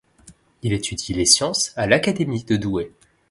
Il étudie les sciences à l'Académie de Douai.